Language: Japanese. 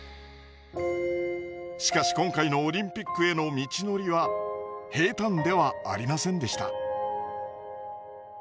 しかし今回のオリンピックへの道のりは平たんではありませんでした。